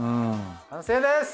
完成です！